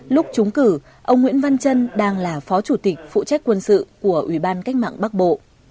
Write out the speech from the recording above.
lúc chúng cử ông nguyễn văn trân đang là phó chủ tịch phụ trách quân sự của ủy ban cách mạng bắc bộ